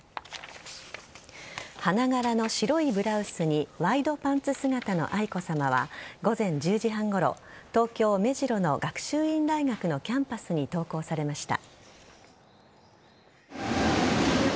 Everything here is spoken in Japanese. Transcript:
花柄の白いブラウスにワイドパンツ姿の愛子さまは午前１０時半ごろ東京・目白の学習院大学のキャンパスに登校されました。